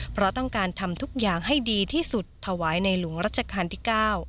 เพราะต้องการทำทุกอย่างให้ดีที่สุดถวายในหลวงรัชกาลที่๙